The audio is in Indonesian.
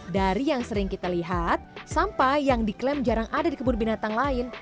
dari yang sering kita lihat sampai yang diklaim jarang ada di kebun binatang lain